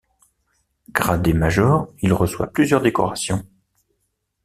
Gradé major, il reçoit plusieurs décorations.